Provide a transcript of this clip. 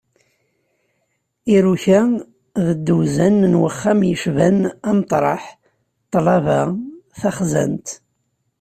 Iruka, d dduzan n wexxam yecban ameṭreḥ, ṭṭlaba, taxzant...